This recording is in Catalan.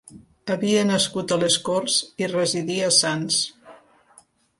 Havia nascut a les Corts i residí a Sants.